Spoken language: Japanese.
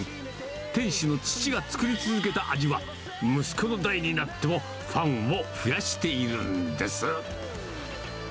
店主の父が作り続けた味は、息子の代になってもファンを増やしているんです。